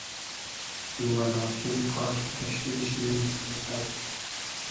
و لاکین قاش وپېشنې شی موسئلسئل